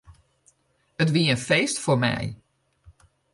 It wie in feest foar my.